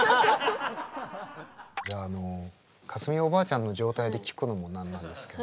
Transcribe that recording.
じゃああの架純おばあちゃんの状態で聞くのも何なんですけど。